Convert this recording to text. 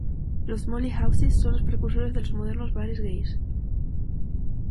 Las "molly houses" son las precursoras de los modernos bares gais.